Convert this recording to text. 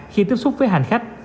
khi tiếp xúc với hành khách